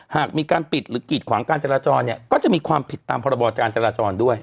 หากมีการปิดหรือกีดขวางการจราจรเนี่ยก็จะมีความผิดตามพรบการจราจรด้วย